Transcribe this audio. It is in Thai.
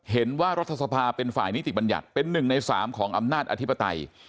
เห็นว่ารัฐสภาเป็นฝ่ายนิติบัญญัติเป็น๑ใน๓ของอำนาจอธิปไตย